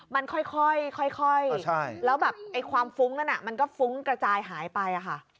มันค่อยค่อยแล้วแบบไอ้ความฟุ้งนั้นอ่ะมันก็ฟุ้งกระจายหายไปอ่ะค่ะ